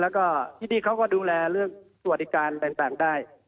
แล้วก็ที่นี่เขาก็ดูแลเรื่องสวัสดิการต่างได้